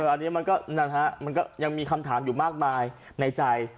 อันนี้มันก็มีคำถามอยู่มากมายในใจ